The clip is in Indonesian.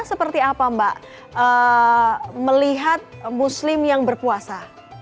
seperti apa mbak melihat muslim yang berpuasa